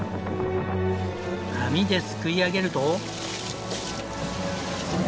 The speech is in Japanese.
網ですくい上げると。